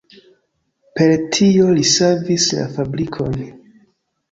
Per tio li savis la fabrikon.